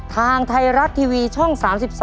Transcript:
ทางไทยรัฐทีวีช่อง๓๒